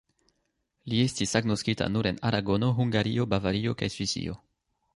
Li estis agnoskita nur en Aragono, Hungario, Bavario kaj Svisio.